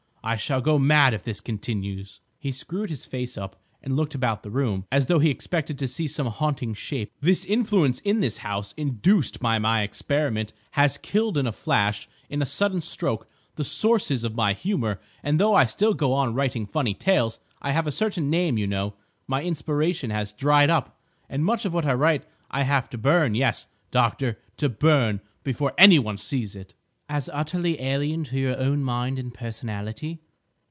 I shall go mad if this continues." He screwed his face up and looked about the room as though he expected to see some haunting shape. "This influence in this house induced by my experiment, has killed in a flash, in a sudden stroke, the sources of my humour, and though I still go on writing funny tales—I have a certain name you know—my inspiration has dried up, and much of what I write I have to burn—yes, doctor, to burn, before any one sees it." "As utterly alien to your own mind and personality?"